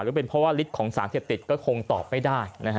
หรือเป็นเพราะว่าลิตของสารเทียบติดก็คงตอบไม่ได้นะฮะ